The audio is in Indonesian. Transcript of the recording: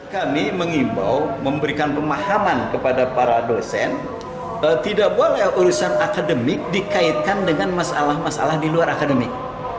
kami mengimbau memberikan pemahaman kepada para dosen tidak boleh urusan akademik dikaitkan dengan masalah masalah di luar akademik